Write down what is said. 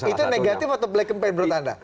itu negatif atau black campaign menurut anda